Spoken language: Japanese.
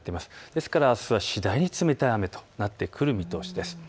ですからあすは次第に冷たい雨となってくる見通しです。